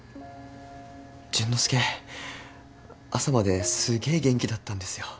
淳之介朝まですげえ元気だったんですよ。